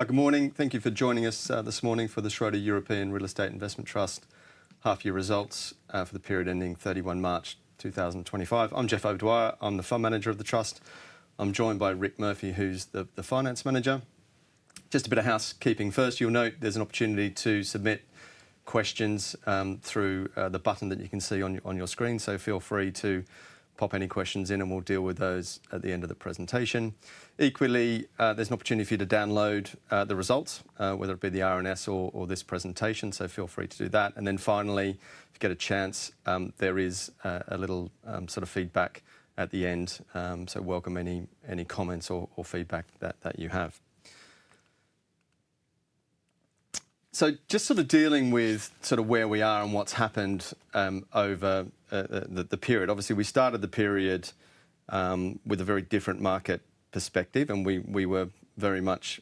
Good morning. Thank you for joining us this morning for the Schroder European Real Estate Investment Trust half-year results for the period ending 31 March 2025. I'm Jeff O'Dwyer. I'm the fund manager of the trust. I'm joined by Rick Murphy, who's the finance manager. Just a bit of housekeeping first. You'll note there's an opportunity to submit questions through the button that you can see on your screen, so feel free to pop any questions in, and we'll deal with those at the end of the presentation. Equally, there's an opportunity for you to download the results, whether it be the RNS or this presentation, so feel free to do that. Finally, if you get a chance, there is a little sort of feedback at the end, so welcome any comments or feedback that you have. Just sort of dealing with sort of where we are and what's happened over the period. Obviously, we started the period with a very different market perspective, and we were very much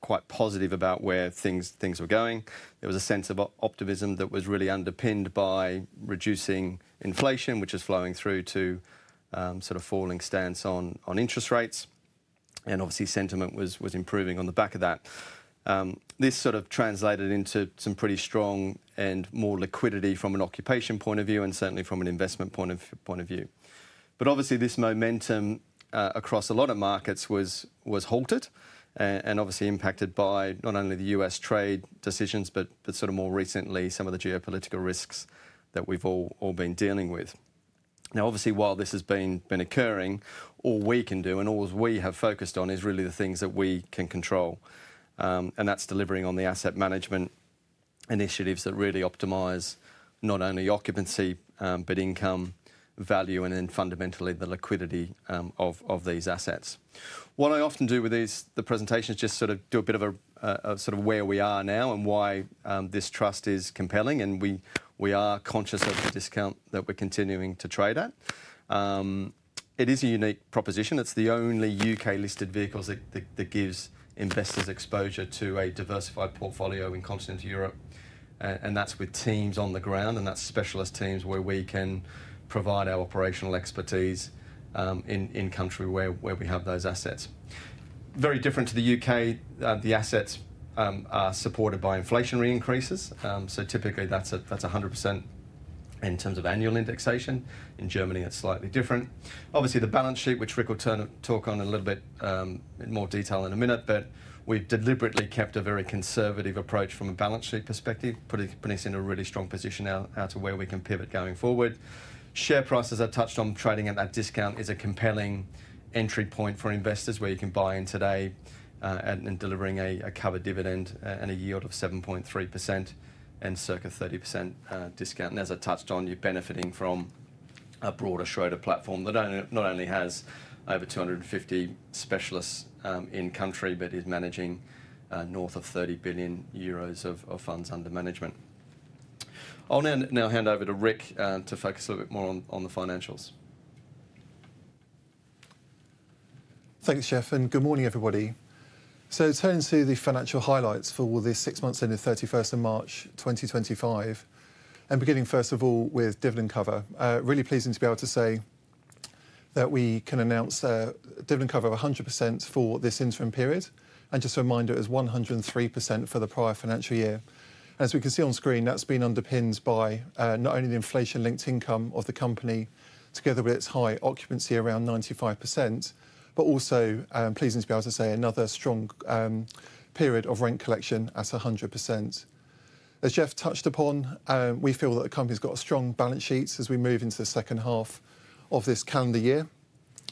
quite positive about where things were going. There was a sense of optimism that was really underpinned by reducing inflation, which is flowing through to sort of falling stance on interest rates, and obviously sentiment was improving on the back of that. This sort of translated into some pretty strong and more liquidity from an occupation point of view and certainly from an investment point of view. Obviously, this momentum across a lot of markets was halted and obviously impacted by not only the U.S. trade decisions, but sort of more recently some of the geopolitical risks that we've all been dealing with. Now, obviously, while this has been occurring, all we can do and all we have focused on is really the things that we can control, and that is delivering on the asset management initiatives that really optimize not only occupancy, but income value and then fundamentally the liquidity of these assets. What I often do with these presentations is just sort of do a bit of a sort of where we are now and why this trust is compelling, and we are conscious of the discount that we are continuing to trade at. It is a unique proposition. It is the only U.K.-listed vehicle that gives investors exposure to a diversified portfolio in continental Europe, and that is with teams on the ground, and that is specialist teams where we can provide our operational expertise in country where we have those assets. Very different to the U.K., the assets are supported by inflationary increases, so typically that's 100% in terms of annual indexation. In Germany, it's slightly different. Obviously, the balance sheet, which Rick will talk on a little bit in more detail in a minute, but we've deliberately kept a very conservative approach from a balance sheet perspective, putting us in a really strong position as to where we can pivot going forward. Share prices, I touched on trading at that discount, is a compelling entry point for investors where you can buy in today and delivering a covered dividend and a yield of 7.3% and circa 30% discount. As I touched on, you're benefiting from a broader Schroder platform that not only has over 250 specialists in country, but is managing north of 30 billion euros of funds under management. I'll now hand over to Rick to focus a little bit more on the financials. Thanks, Jeff, and good morning, everybody. Turning to the financial highlights for this six months to 31st March 2025, and beginning first of all with dividend cover, really pleasing to be able to say that we can announce dividend cover of 100% for this interim period, and just a reminder, it is 103% for the prior financial year. As we can see on screen, that's been underpinned by not only the inflation-linked income of the company together with its high occupancy around 95%, but also pleasing to be able to say another strong period of rent collection at 100%. As Jeff touched upon, we feel that the company's got a strong balance sheet as we move into the second half of this calendar year,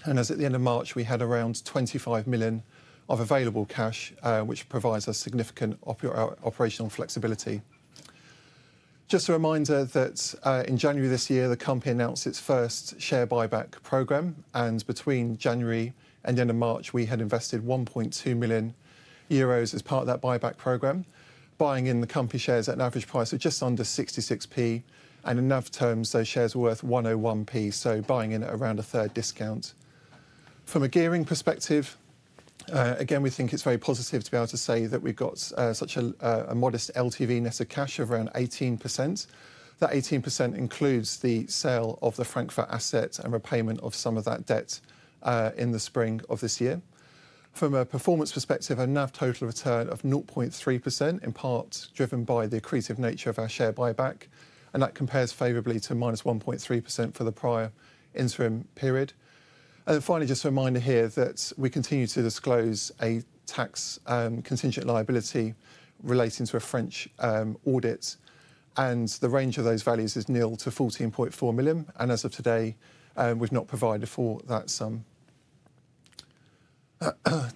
and as at the end of March, we had around 25 million of available cash, which provides us significant operational flexibility. Just a reminder that in January this year, the company announced its first share buyback program, and between January and the end of March, we had invested 1.2 million euros as part of that buyback program, buying in the company shares at an average price of just under 0.66, and in NAV terms, those shares were worth 1.01, so buying in at around a third discount. From a gearing perspective, again, we think it's very positive to be able to say that we've got such a modest LTV net of cash of around 18%. That 18% includes the sale of the Frankfurt assets and repayment of some of that debt in the spring of this year. From a performance perspective, a NAV total return of 0.3%, in part driven by the accretive nature of our share buyback, and that compares favorably to minus 1.3% for the prior interim period. Finally, just a reminder here that we continue to disclose a tax contingent liability relating to a French audit, and the range of those values is nil to 14.4 million, and as of today, we've not provided for that sum.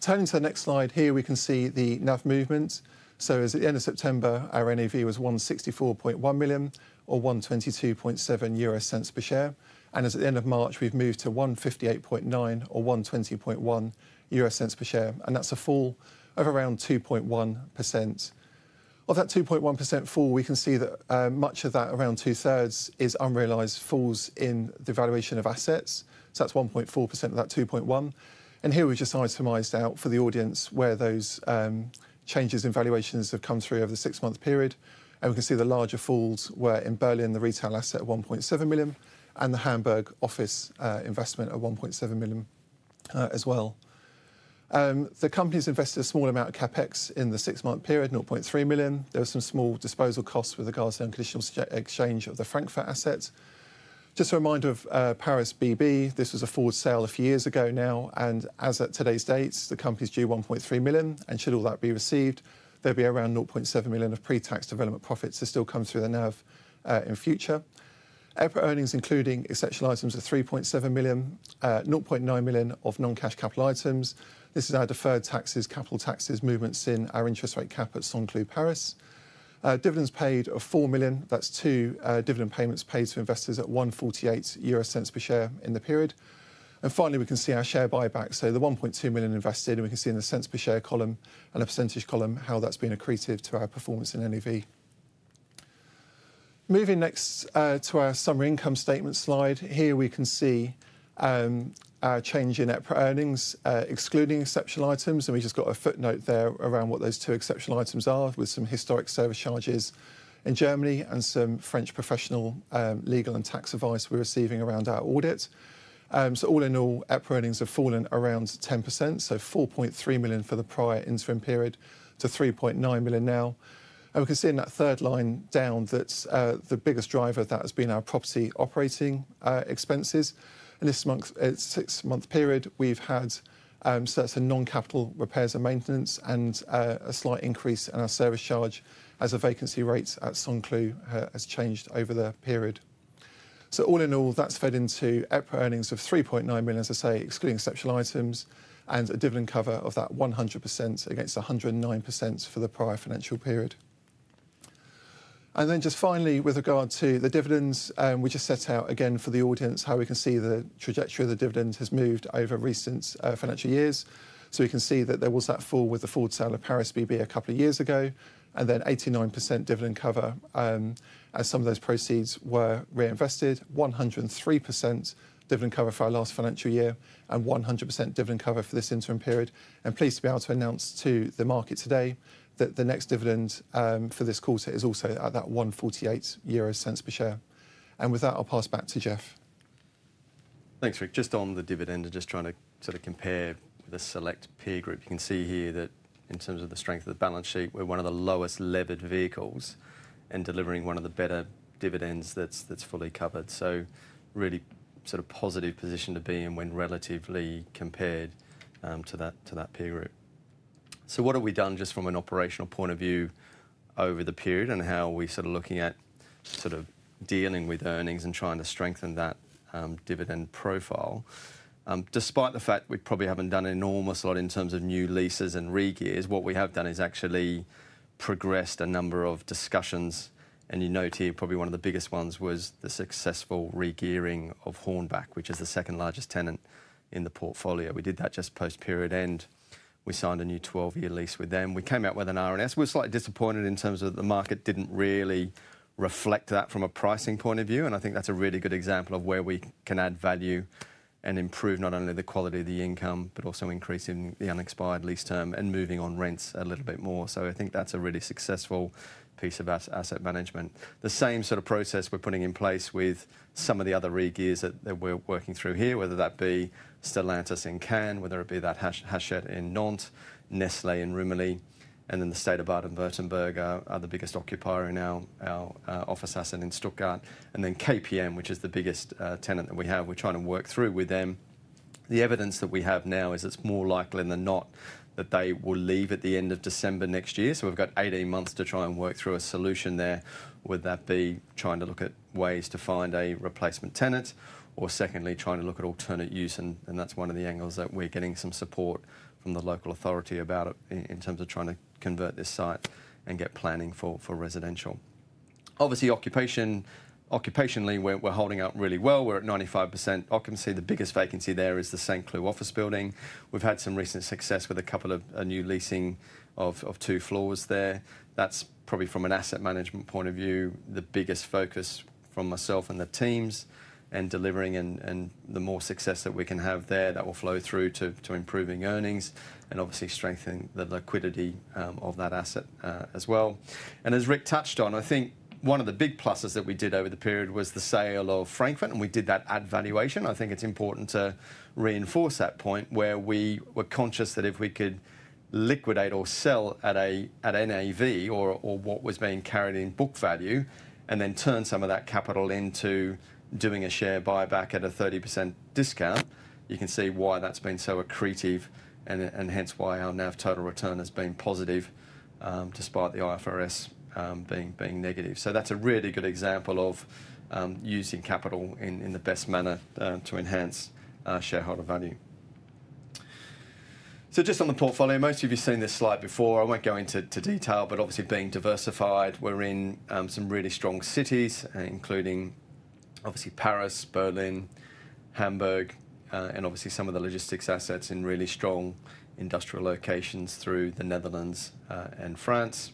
Turning to the next slide here, we can see the NAV movement. As at the end of September, our NAV was 164.1 million or 122.7 euro per share, and as at the end of March, we've moved to 158.9 million or 120.1 euro per share, and that's a fall of around 2.1%. Of that 2.1% fall, we can see that much of that, around two-thirds, is unrealized falls in the valuation of assets, so that's 1.4% of that 2.1%. Here we have just itemized out for the audience where those changes in valuations have come through over the six-month period, and we can see the larger falls were in Berlin, the retail asset at 1.7 million, and the Hamburg office investment at 1.7 million as well. The company has invested a small amount of CapEx in the six-month period, 0.3 million. There were some small disposal costs with regards to the conditional exchange of the Frankfurt assets. Just a reminder of Paris BB, this was a forward sale a few years ago now, and as at today's date, the company is due 1.3 million, and should all that be received, there will be around 0.7 million of pre-tax development profits to still come through the NAV in future. EPRA earnings, including exceptional items, are 3.7 million, 0.9 million of non-cash capital items. This is our deferred taxes, capital taxes movements in our interest rate cap at Saint-Cloud Paris. Dividends paid of 4 million, that's two dividend payments paid to investors at 1.48 euro per share in the period. Finally, we can see our share buyback, so the 1.2 million invested, and we can see in the cents per share column and a percentage column how that's been accretive to our performance in NAV. Moving next to our summary income statement slide, here we can see our change in EPRA earnings excluding exceptional items, and we've just got a footnote there around what those two exceptional items are with some historic service charges in Germany and some French professional legal and tax advice we're receiving around our audit. All in all, EPRA earnings have fallen around 10%, so 4.3 million for the prior interim period to 3.9 million now. We can see in that third line down that the biggest driver of that has been our property operating expenses. In this six-month period, we've had certain non-capital repairs and maintenance and a slight increase in our service charge as a vacancy rate at Saint-Cloud has changed over the period. All in all, that's fed into EPRA earnings of 3.9 million, as I say, excluding exceptional items and a dividend cover of that 100% against 109% for the prior financial period. Just finally, with regard to the dividends, we just set out again for the audience how we can see the trajectory of the dividends has moved over recent financial years. We can see that there was that fall with the forward sale of Paris BB a couple of years ago, and then 89% dividend cover as some of those proceeds were reinvested, 103% dividend cover for our last financial year, and 100% dividend cover for this interim period. I am pleased to be able to announce to the market today that the next dividend for this quarter is also at that 1.48 euros per share. With that, I'll pass back to Jeff. Thanks, Rick. Just on the dividend, I'm just trying to sort of compare with a select peer group. You can see here that in terms of the strength of the balance sheet, we're one of the lowest levered vehicles and delivering one of the better dividends that's fully covered. Really sort of positive position to be in when relatively compared to that peer group. What have we done just from an operational point of view over the period and how we're sort of looking at sort of dealing with earnings and trying to strengthen that dividend profile? Despite the fact we probably haven't done an enormous lot in terms of new leases and re-gears, what we have done is actually progressed a number of discussions, and you note here probably one of the biggest ones was the successful re-gearing of Hornbach, which is the second largest tenant in the portfolio. We did that just post-period end. We signed a new 12-year lease with them. We came out with an RNS. We're slightly disappointed in terms of the market didn't really reflect that from a pricing point of view, and I think that's a really good example of where we can add value and improve not only the quality of the income, but also increasing the unexpired lease term and moving on rents a little bit more. I think that's a really successful piece of asset management. The same sort of process we're putting in place with some of the other re-gears that we're working through here, whether that be Stellantis in Cannes, whether it be Hachette in Nantes, Nestlé in Rueil-Malmaison, and then the state of Baden-Württemberg are the biggest occupier in our office asset in Stuttgart, and then KPN, which is the biggest tenant that we have. We're trying to work through with them. The evidence that we have now is it's more likely than not that they will leave at the end of December next year, so we've got 18 months to try and work through a solution there, whether that be trying to look at ways to find a replacement tenant or secondly trying to look at alternate use, and that's one of the angles that we're getting some support from the local authority about in terms of trying to convert this site and get planning for residential. Obviously, occupationally we're holding up really well. We're at 95%. I can see the biggest vacancy there is the Saint-Cloud office building. We've had some recent success with a couple of new leasing of two floors there. That's probably from an asset management point of view, the biggest focus from myself and the teams and delivering and the more success that we can have there that will flow through to improving earnings and obviously strengthening the liquidity of that asset as well. As Rick touched on, I think one of the big pluses that we did over the period was the sale of Frankfurt and we did that at valuation. I think it's important to reinforce that point where we were conscious that if we could liquidate or sell at NAV or what was being carried in book value and then turn some of that capital into doing a share buyback at a 30% discount, you can see why that's been so accretive and hence why our NAV total return has been positive despite the IFRS being negative. That's a really good example of using capital in the best manner to enhance shareholder value. Just on the portfolio, most of you have seen this slide before. I won't go into detail, but obviously being diversified, we're in some really strong cities including obviously Paris, Berlin, Hamburg, and obviously some of the logistics assets in really strong industrial locations through the Netherlands and France.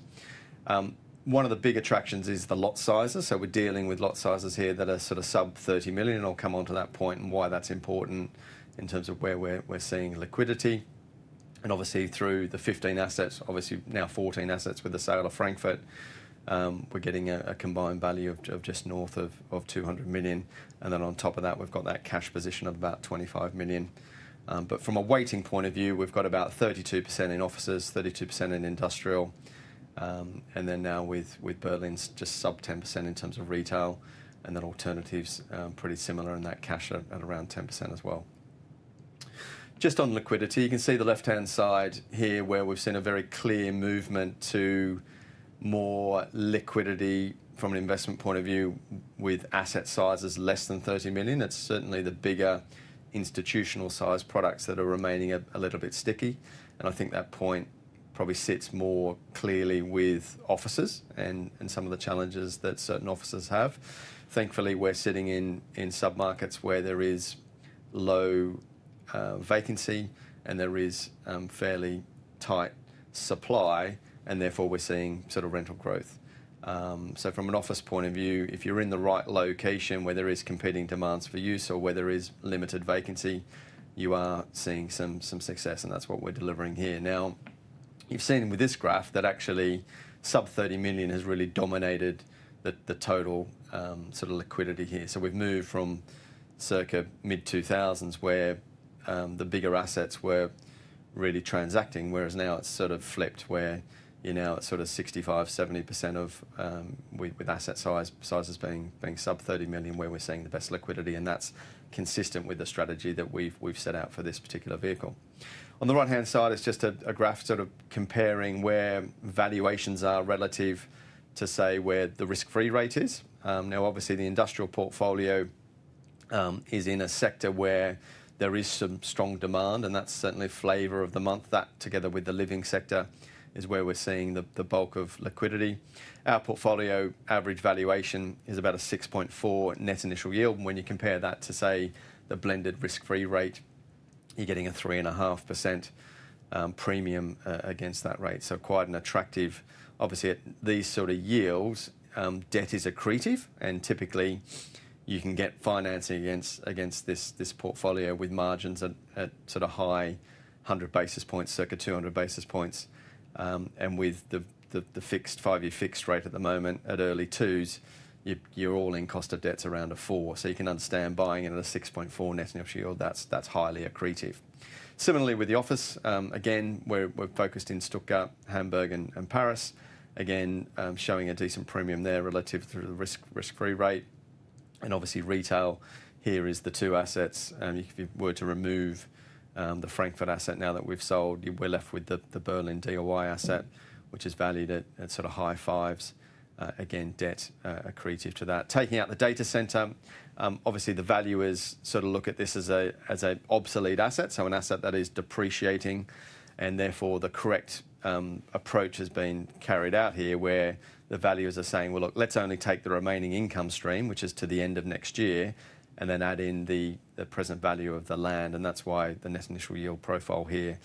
One of the big attractions is the lot sizes, so we're dealing with lot sizes here that are sort of sub 30 million, and I'll come on to that point and why that's important in terms of where we're seeing liquidity. Obviously through the 15 assets, obviously now 14 assets with the sale of Frankfurt, we're getting a combined value of just north of 200 million, and then on top of that we've got that cash position of about 25 million. From a weighting point of view, we've got about 32% in offices, 32% in industrial, and then now with Berlin's just sub 10% in terms of retail, and then alternatives pretty similar in that cash at around 10% as well. Just on liquidity, you can see the left-hand side here where we've seen a very clear movement to more liquidity from an investment point of view with asset sizes less than 30 million. It's certainly the bigger institutional size products that are remaining a little bit sticky, and I think that point probably sits more clearly with offices and some of the challenges that certain offices have. Thankfully, we're sitting in submarkets where there is low vacancy and there is fairly tight supply, and therefore we're seeing sort of rental growth. From an office point of view, if you're in the right location where there is competing demand for use or where there is limited vacancy, you are seeing some success, and that's what we're delivering here. Now, you've seen with this graph that actually sub 30 million has really dominated the total sort of liquidity here. We've moved from circa mid-2000s where the bigger assets were really transacting, whereas now it's sort of flipped where you're now at sort of 65%-70% with asset sizes being sub 30 million where we're seeing the best liquidity, and that's consistent with the strategy that we've set out for this particular vehicle. On the right-hand side, it's just a graph sort of comparing where valuations are relative to, say, where the risk-free rate is. Now, obviously the industrial portfolio is in a sector where there is some strong demand, and that's certainly flavour of the month. That together with the living sector is where we're seeing the bulk of liquidity. Our portfolio average valuation is about a 6.4% net initial yield, and when you compare that to say the blended risk-free rate, you're getting a 3.5% premium against that rate. Quite an attractive, obviously at these sort of yields, debt is accretive, and typically you can get financing against this portfolio with margins at sort of high 100 basis points, circa 200 basis points, and with the five-year fixed rate at the moment at early twos, your all-in cost of debt is around a 4. You can understand buying in at a 6.4% net initial yield, that's highly accretive. Similarly with the office, again we're focused in Stuttgart, Hamburg, and Paris, again showing a decent premium there relative to the risk-free rate, and obviously retail here is the two assets. If you were to remove the Frankfurt asset now that we've sold, we're left with the Berlin DOI asset, which is valued at sort of high fives, again debt accretive to that. Taking out the data centre, obviously the value is sort of look at this as an obsolete asset, so an asset that is depreciating, and therefore the correct approach has been carried out here where the valuers are saying, well, look, let's only take the remaining income stream, which is to the end of next year, and then add in the present value of the land, and that's why the net initial yield profile here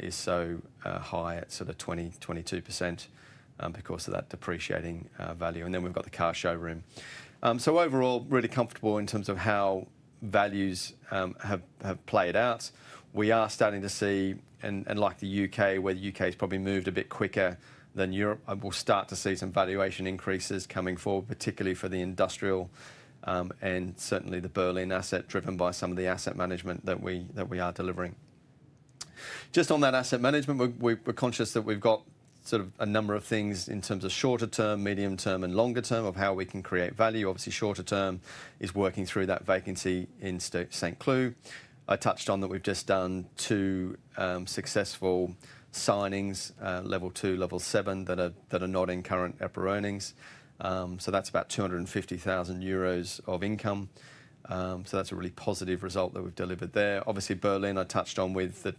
is so high at sort of 20%-22% because of that depreciating value. Then we have got the car showroom. Overall, really comfortable in terms of how values have played out. We are starting to see, and like the U.K., where the U.K. has probably moved a bit quicker than Europe, we will start to see some valuation increases coming forward, particularly for the industrial and certainly the Berlin asset driven by some of the asset management that we are delivering. Just on that asset management, we are conscious that we have got sort of a number of things in terms of shorter term, medium term, and longer term of how we can create value. Obviously, shorter term is working through that vacancy in Saint-Cloud. I touched on that we have just done two successful signings, level two, level seven that are not in current EPRA earnings. That is about 250,000 euros of income. That is a really positive result that we have delivered there. Obviously, Berlin, I touched on with the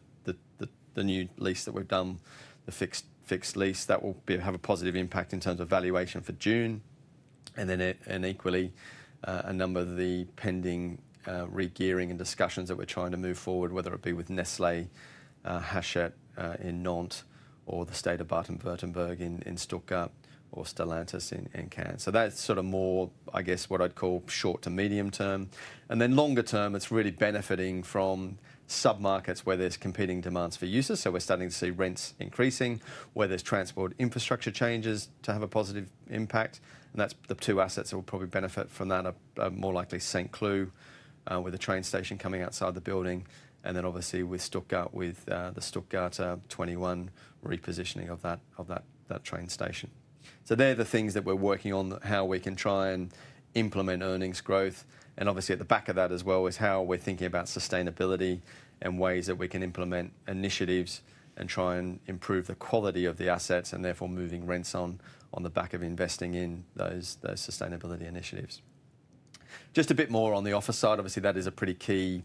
new lease that we've done, the fixed lease, that will have a positive impact in terms of valuation for June, and then equally a number of the pending re-gearing and discussions that we're trying to move forward, whether it be with Nestlé, Hachette in Nantes, or the state of Baden-Württemberg in Stuttgart or Stellantis in Cannes. That's sort of more, I guess, what I'd call short to medium term. Longer term, it's really benefiting from submarkets where there's competing demands for users. We're starting to see rents increasing, where there's transport infrastructure changes to have a positive impact, and that's the two assets that will probably benefit from that, more likely Saint-Cloud with the train station coming outside the building, and then obviously with Stuttgart with the Stuttgart 21 repositioning of that train station. They're the things that we're working on, how we can try and implement earnings growth, and obviously at the back of that as well is how we're thinking about sustainability and ways that we can implement initiatives and try and improve the quality of the assets and therefore moving rents on the back of investing in those sustainability initiatives. Just a bit more on the office side, obviously that is a pretty key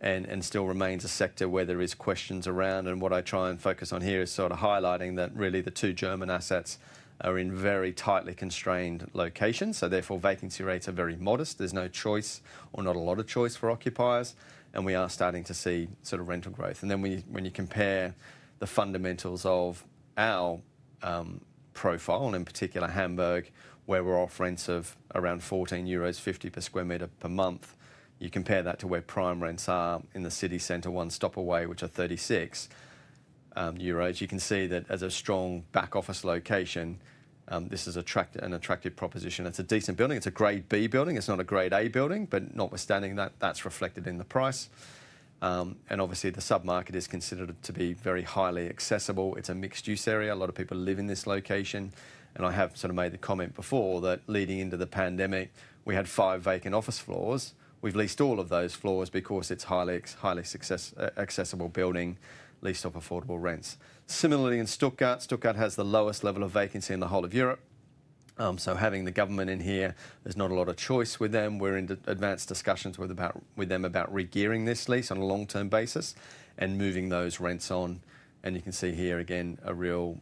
and still remains a sector where there are questions around, and what I try and focus on here is sort of highlighting that really the two German assets are in very tightly constrained locations, so therefore vacancy rates are very modest, there's no choice or not a lot of choice for occupiers, and we are starting to see sort of rental growth. When you compare the fundamentals of our profile, and in particular Hamburg, where we're off rents of around 14.50 euros per sq m per month, you compare that to where prime rents are in the city centre one stop away, which are EUR 36, you can see that as a strong back office location, this is an attractive proposition. It's a decent building, it's a Grade B building, it's not a Grade A building, but notwithstanding that's reflected in the price. Obviously the submarket is considered to be very highly accessible. It's a mixed-use area, a lot of people live in this location, and I have sort of made the comment before that leading into the pandemic we had five vacant office floors. We've leased all of those floors because it's a highly accessible building, leased off affordable rents. Similarly in Stuttgart, Stuttgart has the lowest level of vacancy in the whole of Europe, so having the government in here, there's not a lot of choice with them. We're in advanced discussions with them about re-gearing this lease on a long-term basis and moving those rents on, and you can see here again a real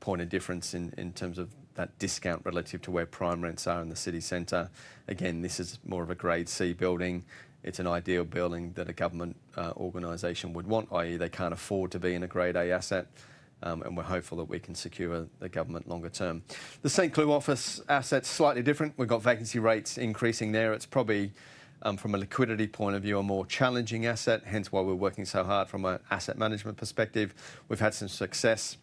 point of difference in terms of that discount relative to where prime rents are in the city center. Again, this is more of a Grade C building. It's an ideal building that a government organization would want, i.e., they can't afford to be in a Grade A asset, and we're hopeful that we can secure the government longer term. The Saint-Cloud office asset's slightly different. We've got vacancy rates increasing there. It's probably from a liquidity point of view a more challenging asset, hence why we're working so hard from an asset management perspective. We've had some success,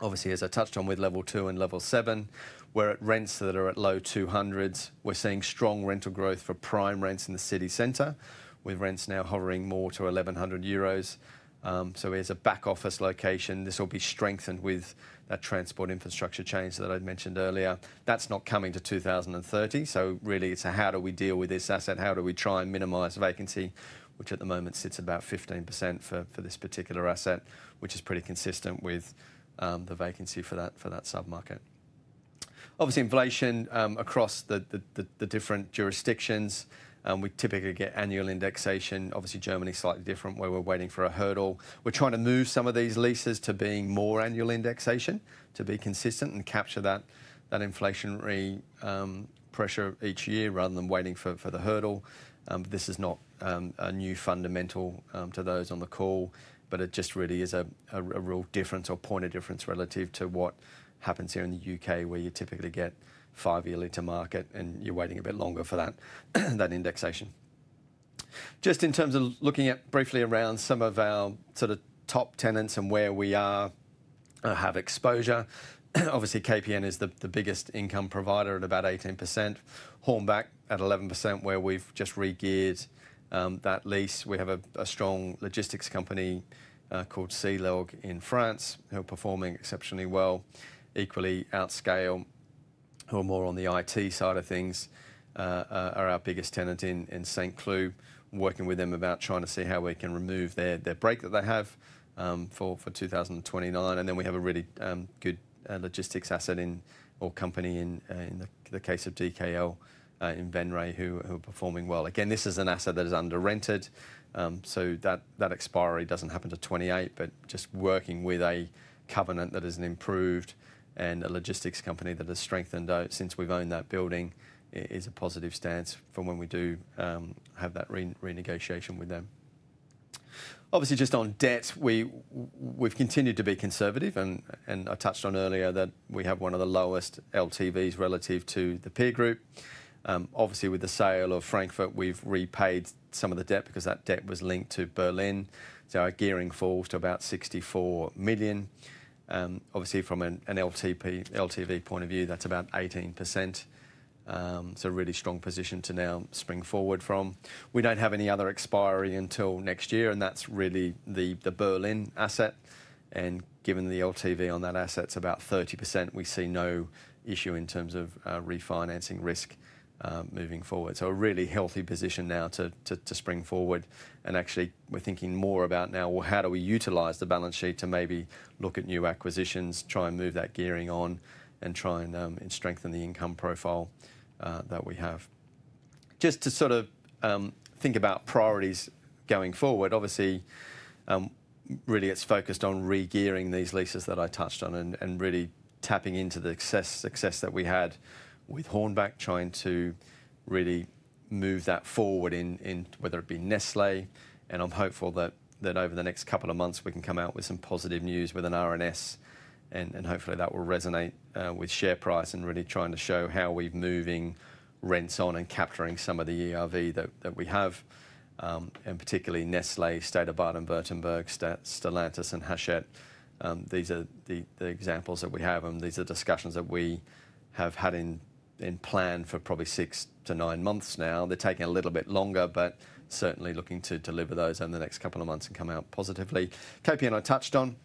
obviously as I touched on with level two and level seven, where at rents that are at low 200s, we're seeing strong rental growth for prime rents in the city centre, with rents now hovering more to 1,100 euros. As a back office location, this will be strengthened with that transport infrastructure change that I mentioned earlier. That is not coming to 2030, so really it's a how do we deal with this asset, how do we try and minimize vacancy, which at the moment sits about 15% for this particular asset, which is pretty consistent with the vacancy for that submarket. Obviously, inflation across the different jurisdictions, we typically get annual indexation. Obviously, Germany is slightly different where we're waiting for a hurdle. We're trying to move some of these leases to being more annual indexation to be consistent and capture that inflationary pressure each year rather than waiting for the hurdle. This is not a new fundamental to those on the call, but it just really is a real difference or point of difference relative to what happens here in the U.K. where you typically get five-year lease to market and you're waiting a bit longer for that indexation. Just in terms of looking at briefly around some of our sort of top tenants and where we have exposure, obviously KPN is the biggest income provider at about 18%, Hornbach at 11% where we've just re-geared that lease. We have a strong logistics company called C-Log in France who are performing exceptionally well, equally Outscale who are more on the IT side of things are our biggest tenant in Saint-Cloud. Working with them about trying to see how we can remove their break that they have for 2029, and then we have a really good logistics asset or company in the case of DKL in Venray who are performing well. Again, this is an asset that is under-rented, so that expiry does not happen until 2028, but just working with a covenant that has improved and a logistics company that has strengthened since we have owned that building is a positive stance for when we do have that renegotiation with them. Obviously, just on debt, we have continued to be conservative, and I touched on earlier that we have one of the lowest LTVs relative to the peer group. Obviously, with the sale of Frankfurt, we have repaid some of the debt because that debt was linked to Berlin, so our gearing falls to about 64 million. Obviously, from an LTV point of view, that's about 18%, so a really strong position to now spring forward from. We don't have any other expiry until next year, and that's really the Berlin asset, and given the LTV on that asset's about 30%, we see no issue in terms of refinancing risk moving forward. A really healthy position now to spring forward, and actually we're thinking more about now, well, how do we utilise the balance sheet to maybe look at new acquisitions, try and move that gearing on and try and strengthen the income profile that we have. Just to sort of think about priorities going forward, obviously really it's focused on re-gearing these leases that I touched on and really tapping into the success that we had with Hornbach, trying to really move that forward in whether it be Nestlé, and I'm hopeful that over the next couple of months we can come out with some positive news with an RNS, and hopefully that will resonate with share price and really trying to show how we're moving rents on and capturing some of the ERV that we have, and particularly Nestlé, state of Baden-Württemberg, Stellantis and Hachette. These are the examples that we have, and these are discussions that we have had in plan for probably six to nine months now. They're taking a little bit longer, but certainly looking to deliver those over the next couple of months and come out positively. KPN I touched on,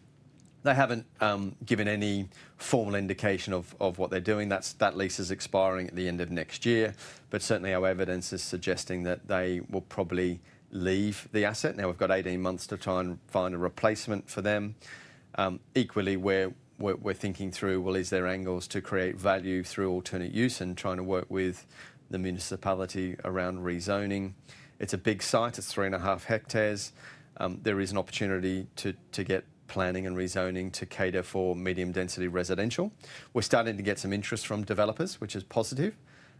they haven't given any formal indication of what they're doing. That lease is expiring at the end of next year, but certainly our evidence is suggesting that they will probably leave the asset. Now we've got 18 months to try and find a replacement for them. Equally, we're thinking through, is there angles to create value through alternate use and trying to work with the municipality around rezoning. It's a big site, it's 3.5 hectares. There is an opportunity to get planning and rezoning to cater for medium density residential. We're starting to get some interest from developers, which is positive,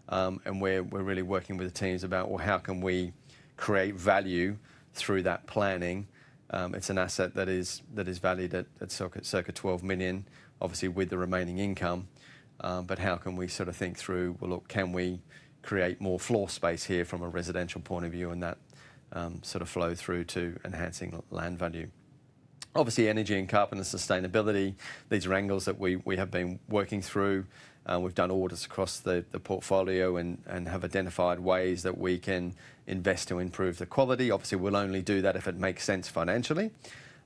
and we're really working with the teams about, how can we create value through that planning. It's an asset that is valued at circa 12 million, obviously with the remaining income, but how can we sort of think through, look, can we create more floor space here from a residential point of view and that sort of flow through to enhancing land value. Obviously, energy and carbon and sustainability, these are angles that we have been working through. We've done audits across the portfolio and have identified ways that we can invest to improve the quality. Obviously, we'll only do that if it makes sense financially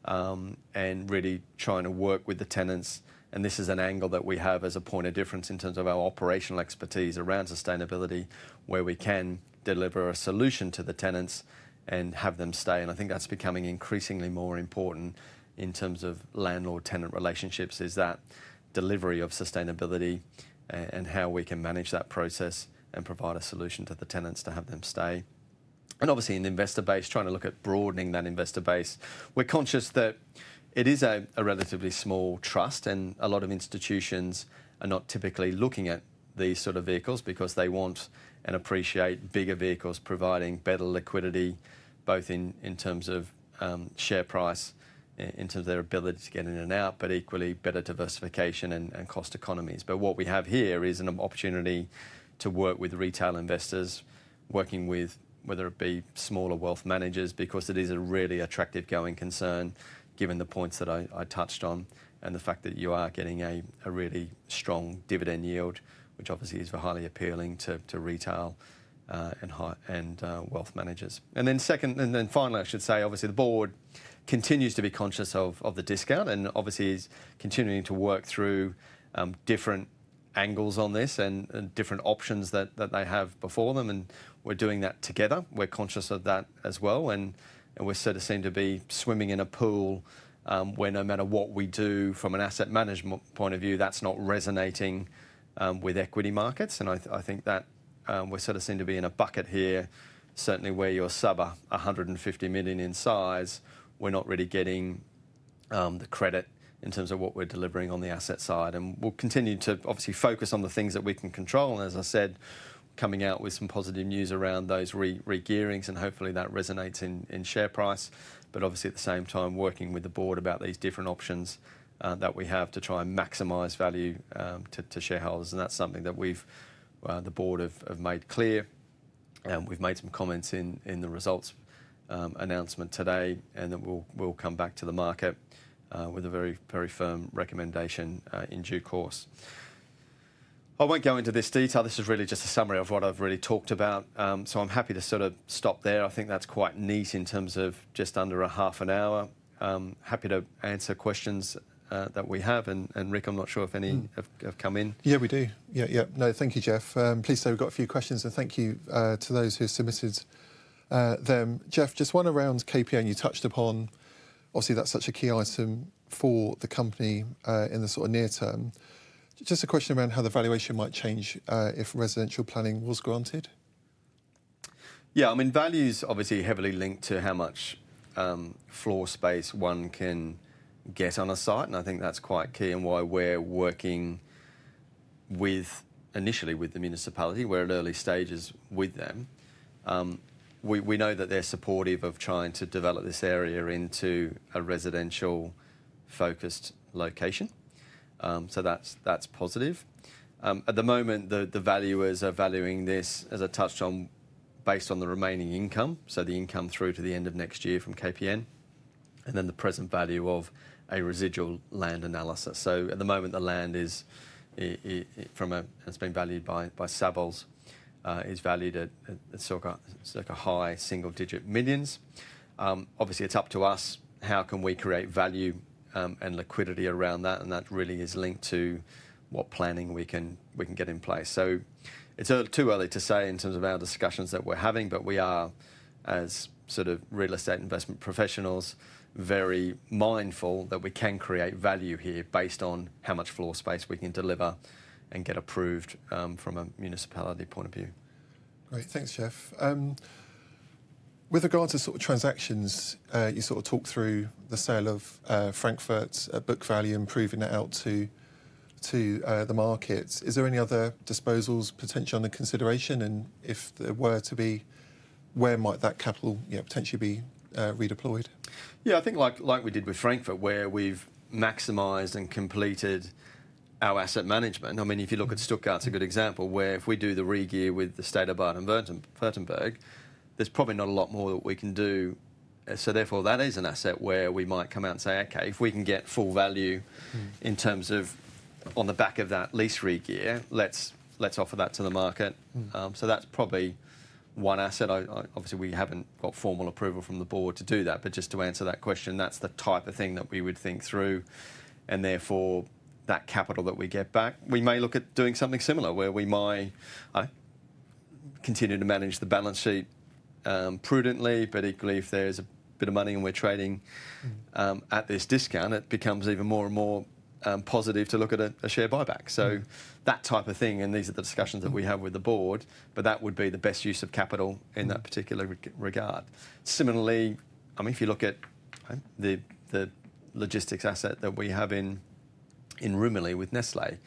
and really trying to work with the tenants, and this is an angle that we have as a point of difference in terms of our operational expertise around sustainability where we can deliver a solution to the tenants and have them stay. I think that's becoming increasingly more important in terms of landlord-tenant relationships is that delivery of sustainability and how we can manage that process and provide a solution to the tenants to have them stay. Obviously, in the investor base, trying to look at broadening that investor base. We're conscious that it is a relatively small trust, and a lot of institutions are not typically looking at these sort of vehicles because they want and appreciate bigger vehicles providing better liquidity, both in terms of share price, in terms of their ability to get in and out, but equally better diversification and cost economies. What we have here is an opportunity to work with retail investors, working with whether it be smaller wealth managers because it is a really attractive going concern given the points that I touched on and the fact that you are getting a really strong dividend yield, which obviously is highly appealing to retail and wealth managers. Then finally, I should say, obviously the board continues to be conscious of the discount and obviously is continuing to work through different angles on this and different options that they have before them, and we're doing that together. We're conscious of that as well, and we sort of seem to be swimming in a pool where no matter what we do from an asset management point of view, that's not resonating with equity markets, and I think that we sort of seem to be in a bucket here, certainly where you're sub 150 million in size, we're not really getting the credit in terms of what we're delivering on the asset side. We will continue to obviously focus on the things that we can control, and as I said, coming out with some positive news around those re-gearings and hopefully that resonates in share price, but obviously at the same time working with the board about these different options that we have to try and maximize value to shareholders, and that is something that the board have made clear, and we have made some comments in the results announcement today, and then we will come back to the market with a very, very firm recommendation in due course. I will not go into this detail. This is really just a summary of what I have really talked about, so I am happy to sort of stop there. I think that is quite neat in terms of just under a half an hour. Happy to answer questions that we have, and Rick, I am not sure if any have come in. Yeah, we do. No, thank you, Jeff. Please say we've got a few questions, and thank you to those who submitted them. Jeff, just one around KPN, you touched upon, obviously that's such a key item for the company in the sort of near term. Just a question around how the valuation might change if residential planning was granted. Yeah, I mean value's obviously heavily linked to how much floor space one can get on a site, and I think that's quite key and why we're working initially with the municipality, we're at early stages with them. We know that they're supportive of trying to develop this area into a residential-focused location, so that's positive. At the moment, the valuers are valuing this, as I touched on, based on the remaining income, so the income through to the end of next year from KPN, and then the present value of a residual land analysis. At the moment, the land is from a, it's been valued by Savills, is valued at circa high single-digit millions. Obviously, it's up to us how can we create value and liquidity around that, and that really is linked to what planning we can get in place. It's too early to say in terms of our discussions that we're having, but we are, as sort of real estate investment professionals, very mindful that we can create value here based on how much floor space we can deliver and get approved from a municipality point of view. Great, thanks, Jeff. With regards to sort of transactions, you sort of talked through the sale of Frankfurt at Book Value and proving that out to the markets. Is there any other disposals potentially under consideration, and if there were to be, where might that capital potentially be redeployed? Yeah, I think like we did with Frankfurt, where we've maximized and completed our asset management. I mean, if you look at Stuttgart, it's a good example where if we do the re-gear with the state of Baden-Württemberg, there's probably not a lot more that we can do. Therefore, that is an asset where we might come out and say, okay, if we can get full value in terms of on the back of that lease re-gear, let's offer that to the market. That's probably one asset. Obviously, we haven't got formal approval from the board to do that, but just to answer that question, that's the type of thing that we would think through, and therefore that capital that we get back. We may look at doing something similar where we might continue to manage the balance sheet prudently, but equally, if there's a bit of money and we're trading at this discount, it becomes even more and more positive to look at a share buyback. That type of thing, and these are the discussions that we have with the board, but that would be the best use of capital in that particular regard. Similarly, I mean, if you look at the logistics asset that we have in Rumilly with Nestlé,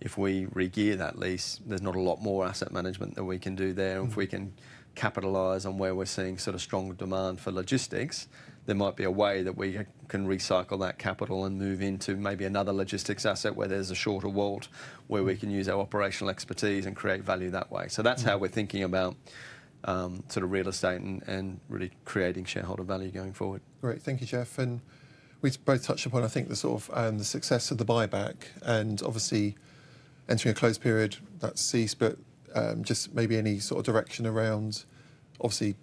if we re-gear that lease, there's not a lot more asset management that we can do there. If we can capitalize on where we're seeing sort of strong demand for logistics, there might be a way that we can recycle that capital and move into maybe another logistics asset where there's a shorter wall where we can use our operational expertise and create value that way. That's how we're thinking about sort of real estate and really creating shareholder value going forward. Great, thank you, Jeff. We've both touched upon, I think, the sort of success of the buyback and obviously entering a close period, that cease, but just maybe any sort of direction around, obviously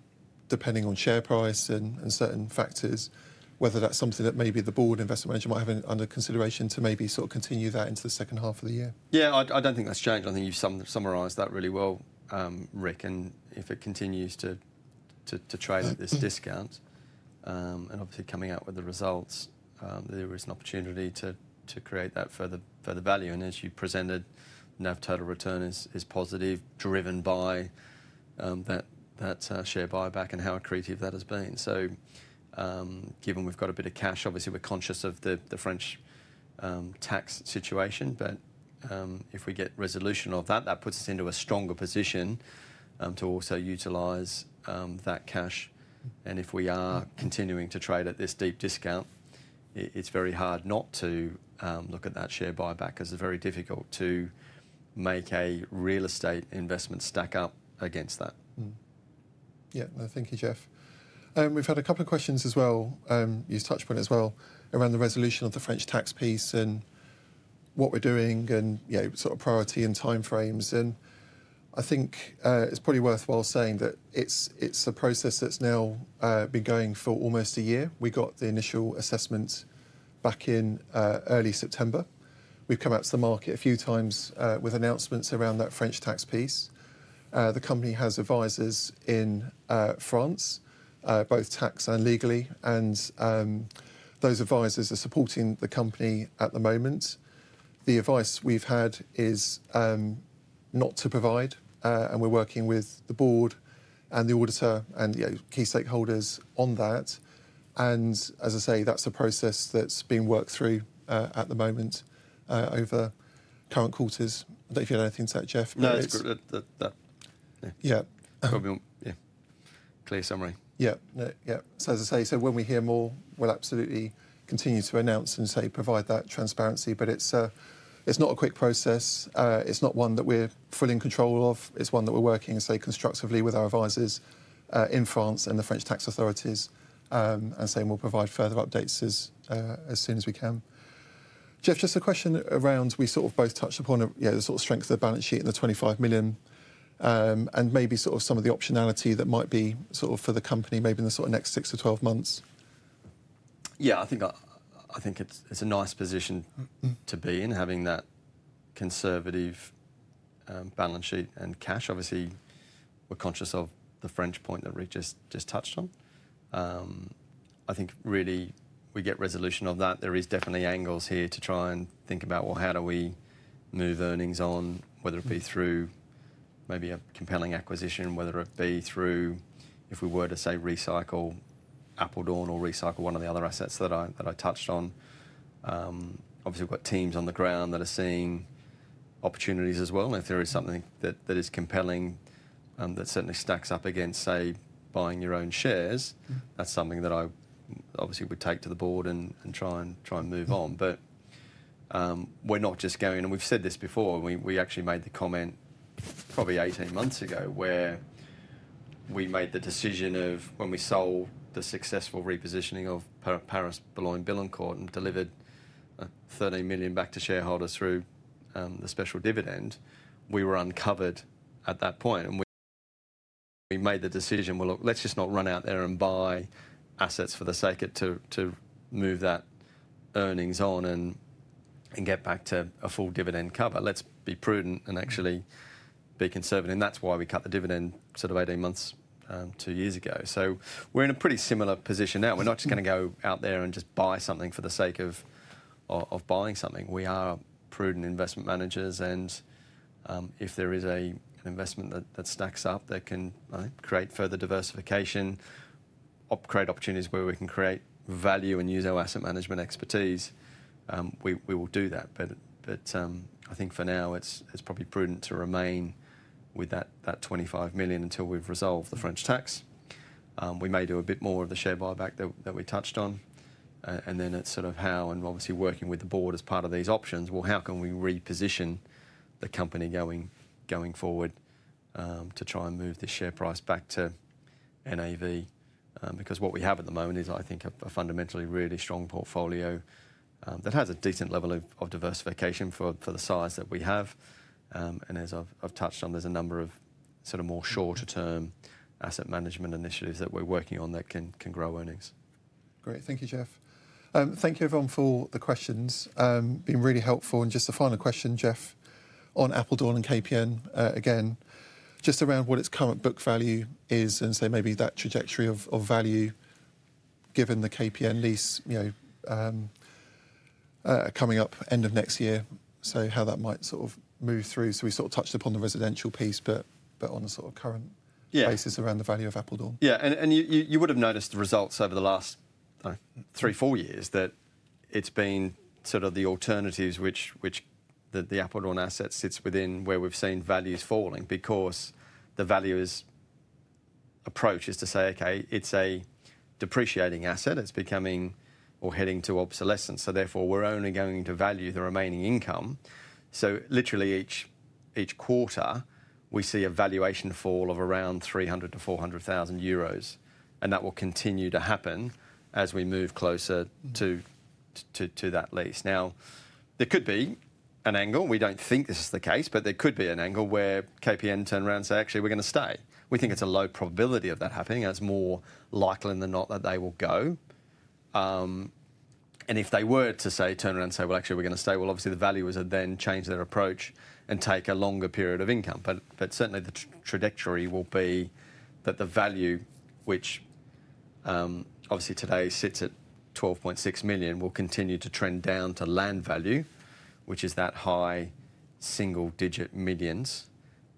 depending on share price and certain factors, whether that's something that maybe the board investment manager might have under consideration to maybe sort of continue that into the second half of the year. Yeah, I don't think that's changed. I think you have summarised that really well, Rick, and if it continues to trade at this discount, obviously coming out with the results, there is an opportunity to create that further value. As you presented, net total return is positive, driven by that share buyback and how accretive that has been. Given we have got a bit of cash, obviously we are conscious of the French tax situation, but if we get resolution of that, that puts us into a stronger position to also utilise that cash. If we are continuing to trade at this deep discount, it is very hard not to look at that share buyback as it is very difficult to make a real estate investment stack up against that. Yeah, no, thank you, Jeff. We have had a couple of questions as well. You've touched on it as well around the resolution of the French tax piece and what we're doing and sort of priority and timeframes. I think it's probably worthwhile saying that it's a process that's now been going for almost a year. We got the initial assessment back in early September. We've come out to the market a few times with announcements around that French tax piece. The company has advisors in France, both tax and legally, and those advisors are supporting the company at the moment. The advice we've had is not to provide, and we're working with the board and the auditor and key stakeholders on that. As I say, that's a process that's been worked through at the moment over current quarters. I don't know if you had anything to add, Jeff? No, it's good. Yeah. Probably a clear summary. Yeah, yeah. As I say, when we hear more, we'll absolutely continue to announce and provide that transparency, but it's not a quick process. It's not one that we're fully in control of. It's one that we're working constructively with our advisors in France and the French tax authorities and we'll provide further updates as soon as we can. Jeff, just a question around, we sort of both touched upon the strength of the balance sheet and the 25 million and maybe some of the optionality that might be for the company, maybe in the next 6-12 months. Yeah, I think it's a nice position to be in, having that conservative balance sheet and cash. Obviously, we're conscious of the French point that Rick just touched on. I think really we get resolution of that. There are definitely angles here to try and think about, well, how do we move earnings on, whether it be through maybe a compelling acquisition, whether it be through, if we were to say, recycle Apeldoorn or recycle one of the other assets that I touched on. Obviously, we have teams on the ground that are seeing opportunities as well, and if there is something that is compelling that certainly stacks up against, say, buying your own shares, that is something that I obviously would take to the board and try and move on. We are not just going, and we have said this before, we actually made the comment probably 18 months ago where we made the decision of when we sold the successful repositioning of Paris Boulogne-Billancourt and delivered 13 million back to shareholders through the special dividend, we were uncovered at that point. We made the decision, look, let's just not run out there and buy assets for the sake of it to move that earnings on and get back to a full dividend cover. Let's be prudent and actually be conservative. That is why we cut the dividend sort of 18 months to two years ago. We are in a pretty similar position now. We are not just going to go out there and just buy something for the sake of buying something. We are prudent investment managers, and if there is an investment that stacks up that can create further diversification, create opportunities where we can create value and use our asset management expertise, we will do that. I think for now, it is probably prudent to remain with that 25 million until we have resolved the French tax. We may do a bit more of the share buyback that we touched on, and then it is sort of how, and obviously working with the board as part of these options, well, how can we reposition the company going forward to try and move the share price back to NAV? Because what we have at the moment is, I think, a fundamentally really strong portfolio that has a decent level of diversification for the size that we have. As I have touched on, there is a number of sort of more shorter-term asset management initiatives that we are working on that can grow earnings. Great, thank you, Jeff. Thank you everyone for the questions. Been really helpful. Just a final question, Jeff, on Apeldoorn and KPN again, just around what its current book value is and maybe that trajectory of value given the KPN lease coming up end of next year, how that might sort of move through. We sort of touched upon the residential piece, but on the current basis around the value of Apeldoorn. Yeah, you would have noticed the results over the last, I do not know, three, four years that it has been the alternatives which the Apeldoorn asset sits within where we have seen values falling because the valuers' approach is to say, okay, it is a depreciating asset. It is becoming or heading to obsolescence. Therefore, we are only going to value the remaining income. Literally each quarter, we see a valuation fall of around 300,000-400,000 euros, and that will continue to happen as we move closer to that lease. Now, there could be an angle, we do not think this is the case, but there could be an angle where KPN turn around and say, actually, we are going to stay. We think it is a low probability of that happening. That is more likely than not that they will go. If they were to say, turn around and say, well, actually, we are going to stay, obviously the valuers have then changed their approach and take a longer period of income. Certainly the trajectory will be that the value, which obviously today sits at 12.6 million, will continue to trend down to land value, which is that high single-digit millions.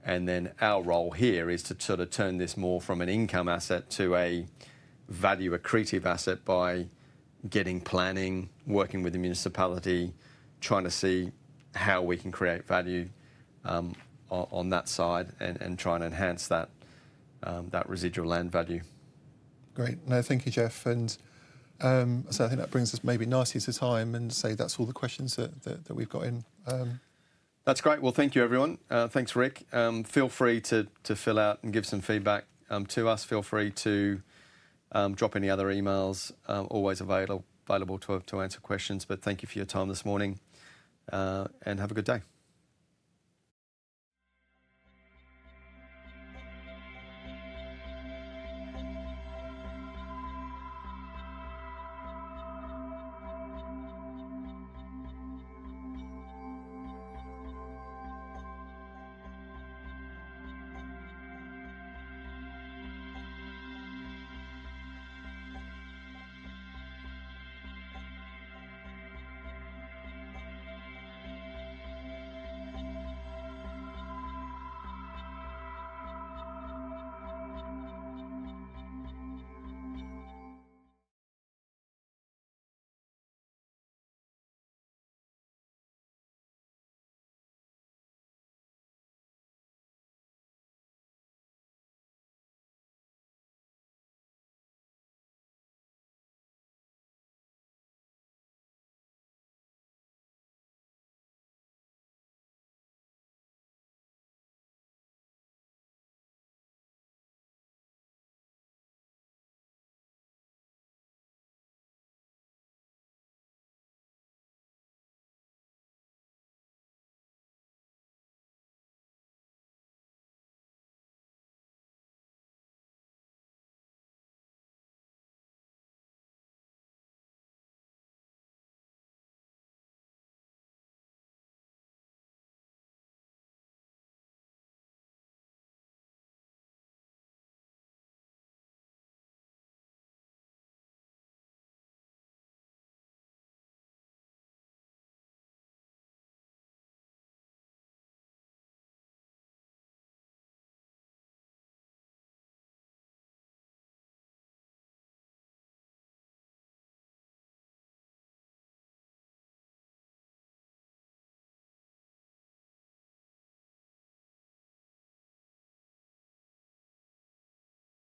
Our role here is to sort of turn this more from an income asset to a value-accretive asset by getting planning, working with the municipality, trying to see how we can create value on that side and trying to enhance that residual land value. Great, no, thank you, Jeff. I think that brings us maybe nicely to time and say that's all the questions that we've got in. That's great. Thank you, everyone. Thanks, Rick. Feel free to fill out and give some feedback to us. Feel free to drop any other emails. Always available to answer questions, but thank you for your time this morning and have a good day.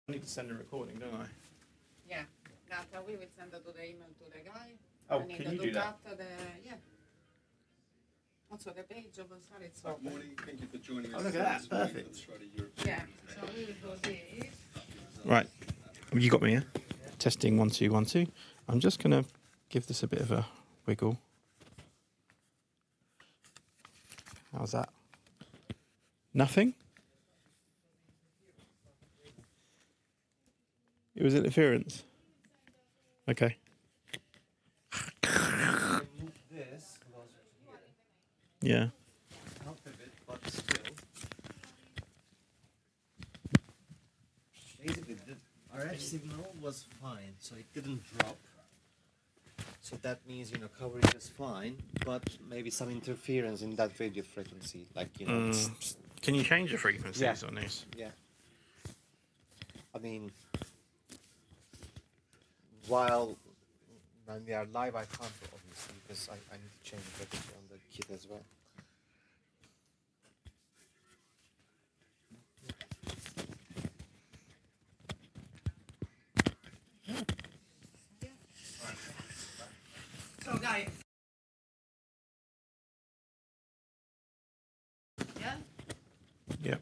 I need to send a recording, don't I? Yeah, we will send it to the email to the guy. Oh, can you do that? Yeah. Also, the page of the. Thank you for joining us. Right. Have you got me here? Testing one, two, one, two. I'm just going to give this a bit of a wiggle. How's that? Nothing? It was interference. Okay. Yeah. Basically, the RF signal was fine, so it did not drop. That means coverage is fine, but maybe some interference in that radio frequency. Can you change the frequency or something? Yeah. I mean, while we are live, I cannot obviously, because I need to change the frequency on the kit as well. Yeah. Guys... Yeah? Yep.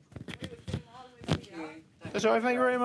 If I.